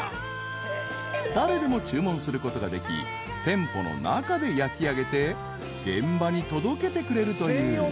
［誰でも注文することができ店舗の中で焼きあげて現場に届けてくれるという］